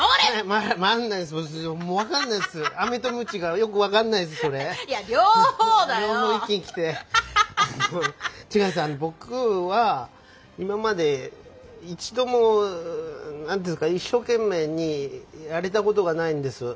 あの僕は今まで一度も何ていうんですか一生懸命にやれたことがないんです。